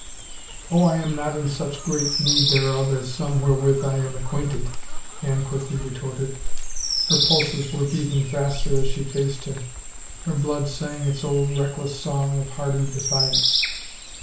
"" Oh, I am not in such great need thereof as some wherewith I am acquainted," Anne quickly retorted. Her pulses were beating faster as she faced him; her blood sang its old reckless song of hardy defiance.